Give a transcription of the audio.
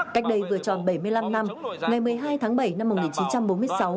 cách đây vừa tròn bảy mươi năm năm ngày một mươi hai tháng bảy năm một nghìn chín trăm bốn mươi sáu